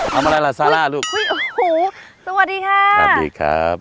เอามาอะไรล่ะซาร่าลูกสวัสดีค่ะสวัสดีครับ